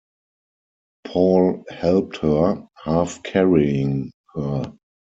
Paul helped her, half-carrying her.